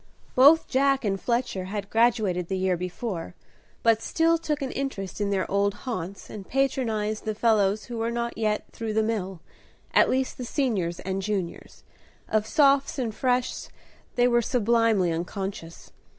Both Jack and Fletcher had graduated the year before, but still took an interest in their old haunts, and patronized the fellows who were not yet through the mill, at least the Seniors and Juniors; of Sophs and Freshs they were sublimely unconscious.